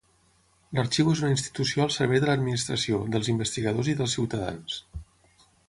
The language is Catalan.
L'arxiu és una institució al servei de l'Administració, dels investigadors i dels ciutadans.